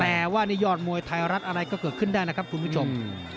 แต่ว่านี่ยอดมวยไทยรัฐอะไรก็เกิดขึ้นได้นะครับคุณผู้ชม